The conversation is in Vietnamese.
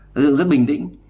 đối tượng rất bình tĩnh